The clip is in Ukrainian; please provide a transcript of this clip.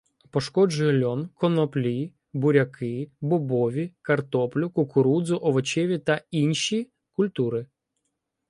Пошкоджує льон, коноплі, буряки, бобові, картоплю, кукурудзу, овочеві та інші культури.